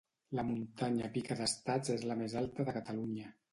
La muntanya Pica d'Estats és la més alta de Catalunya